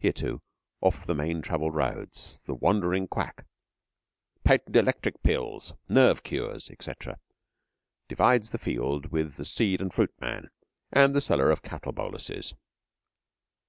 Here, too, off the main travelled roads, the wandering quack Patent Electric Pills, nerve cures, etc. divides the field with the seed and fruit man and the seller of cattle boluses.